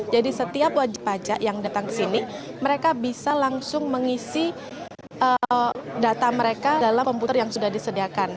jadi setiap wajib pajak yang datang ke sini mereka bisa langsung mengisi data mereka dalam komputer yang sudah disediakan